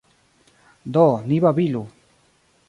Do ni babilu.